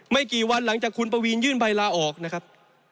ไม่กี่วันหลังจากคุณปวีนยื่นใบลาออกนะครับ